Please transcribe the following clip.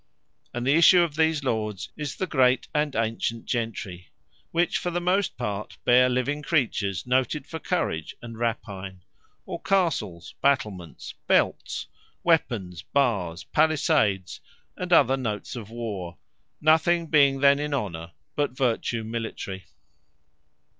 And the issue of these Lords, is the great and antient Gentry; which for the most part bear living creatures, noted for courage, and rapine; or Castles, Battlements, Belts, Weapons, Bars, Palisadoes, and other notes of War; nothing being then in honour, but vertue military.